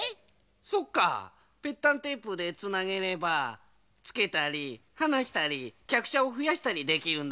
そっかぺったんテープでつなげればつけたりはなしたりきゃくしゃをふやしたりできるんだね。